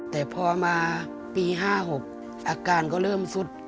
แต่พอมาปี๕๖อาการก็เริ่มสุด